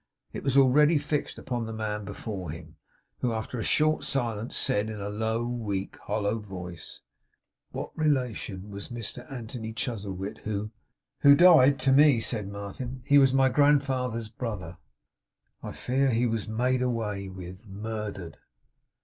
It was already fixed upon the man before him, who, after a short silence said, in a low, weak, hollow voice: 'What relation was Mr Anthony Chuzzlewit, who '' Who died to me?' said Martin. 'He was my grandfather's brother.' 'I fear he was made away with. Murdered!